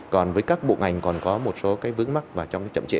còn với các bộ ngành còn có một số vướng mắt và trong chậm trễ